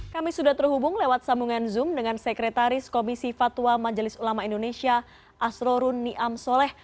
kami sudah terhubung lewat sambungan zoom dengan sekretaris komisi fatwa majelis ulama indonesia asrorun niam soleh